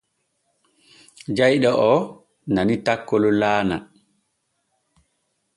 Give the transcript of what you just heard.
Jayɗo oo nani takkol laana.